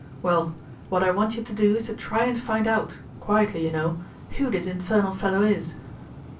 Well, what I want you to do is to try and find out quietly, you know who this infernal fellow is